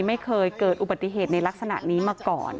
ไม่เคยเกิดอุบัติเหตุในลักษณะนี้มาก่อน